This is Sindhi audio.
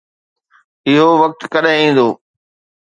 اهو وقت ڪڏهن ايندو؟